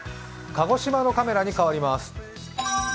鹿児島のカメラに変わります。